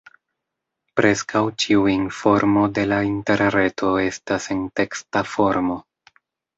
Preskaŭ ĉiu informo de la Interreto estas en teksta formo.